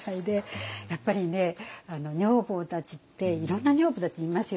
やっぱりね女房たちっていろんな女房たちいますよね。